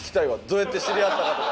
どうやって知り合ったかとか。